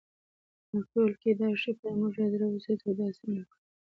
ما ورته وویل: کېدای شي پر موږ یې زړه وسوځي او داسې ونه کړي.